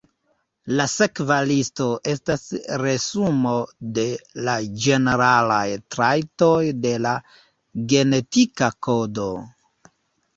La sekva listo estas resumo de la ĝeneralaj trajtoj de la genetika kodo.